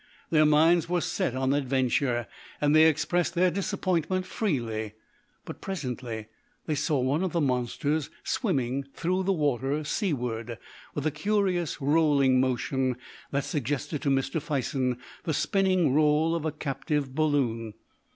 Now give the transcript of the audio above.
Their minds were set on adventure, and they expressed their disappointment freely. But presently they saw one of the monsters swimming through the water seaward, with a curious rolling motion that suggested to Mr. Fison the spinning roll of a captive balloon.